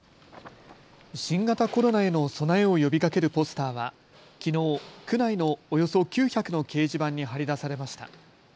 新型コロナへの備えを呼びかけるポスターはきのう区内のおよそ９００の掲示板に貼り出されました。